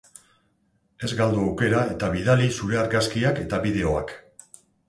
Ez galdu aukera, eta bidali zure argazkiak eta bideoak!